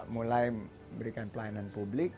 mulai berikan pelayanan publik